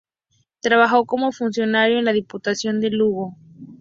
Trabajó como funcionario en la Diputación de Lugo.